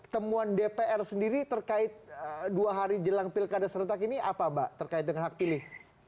temuan dpr sendiri terkait dua hari jelang pilkada serentak ini apa mbak terkait dengan hak pilih